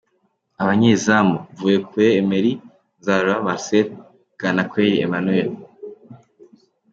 Abanyezamu: Mvuyekure Emery, Nzarora Marcel, Bwanakweli Emmanuel.